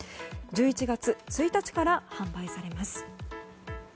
１１月１日から販売されます。